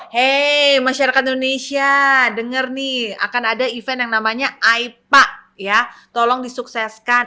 hei masyarakat indonesia denger nih akan ada event yang namanya aipa ya tolong disukseskan